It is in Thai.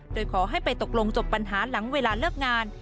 โดยขอให้ไปตกลงจบปัญหาหลังเวลาเลิกงาน